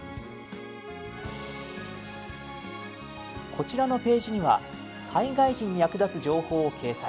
こちらのページには災害時に役立つ情報を掲載。